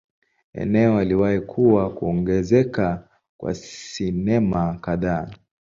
Eneo aliwahi kuwa kuongezeka kwa sinema kadhaa.